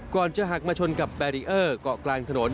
จะหักมาชนกับแบรีเออร์เกาะกลางถนน